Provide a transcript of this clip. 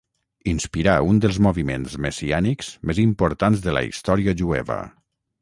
Inspirà un dels moviments messiànics més importants de la història jueva.